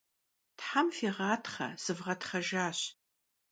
Them fiğatxhe, sıvğetxhejjaş!